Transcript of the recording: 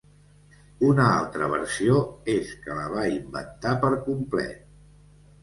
Una altra versió és que la va inventar per complet.